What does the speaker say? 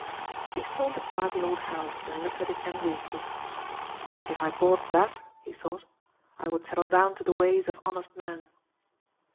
He sauntered by the old house and looked at it enviously. "If I bought that," he thought, "I would settle down to the ways of honest men."